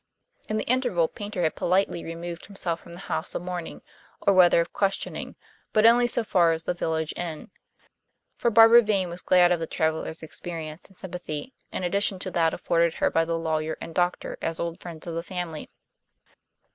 In the interval Paynter had politely removed himself from the house of mourning, or rather of questioning, but only so far as the village inn; for Barbara Vane was glad of the traveler's experience and sympathy, in addition to that afforded her by the lawyer and doctor as old friends of the family.